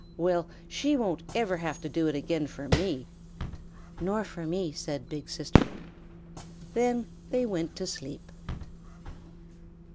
Well she won't ever have to do it again for me." "Nor for me," said Big Sister. Then they went to sleep.